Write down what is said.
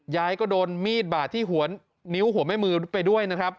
ยายก็โดนมีดบาดที่หัวนิ้วหัวแม่มือไปด้วยนะครับ